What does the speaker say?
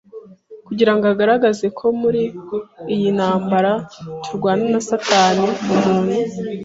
kugira ngo agaragaze ko muri iyi ntambara turwana na Satani, umuntu,